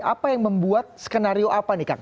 apa yang membuat skenario apa nih kang